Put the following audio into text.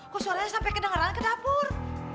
kok suaranya sampai kedengeran ke dapur